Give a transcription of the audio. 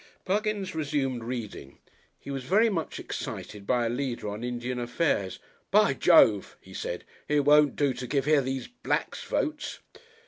Buggins resumed reading. He was very much excited by a leader on Indian affairs. "By Jove!" he said, "it won't do to give these here Blacks votes."